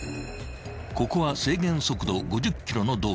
［ここは制限速度５０キロの道路］